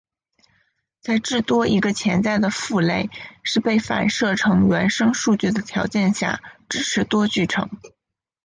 在至多一个潜在的父类是被反射成原生数据的条件下支持多继承。